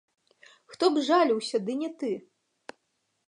Хто б жаліўся, ды не ты.